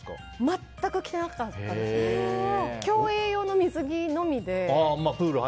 全く着てなくて競泳用の水着のみで。